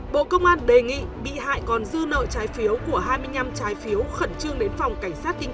bộ công an đề nghị bị hại còn dư nợ trái phiếu của hai mươi năm trái phiếu khẩn trương đến phòng cảnh sát kinh